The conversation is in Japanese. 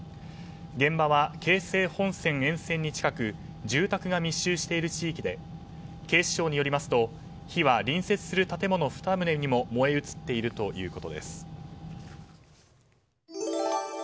現場は京成本線沿線に近く住宅が密集している地域で警視庁によりますと火は隣接する建物２棟にも燃え移っているということです。